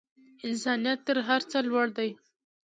انسانیت تر هر څه لوړ دی.